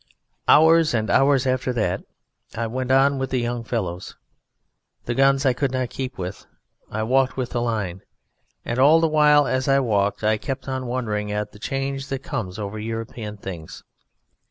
Hours and hours after that I went on with the young fellows. The guns I could not keep with: I walked with the line. And all the while as I walked I kept on wondering at the change that comes over European things.